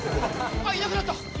あっいなくなった。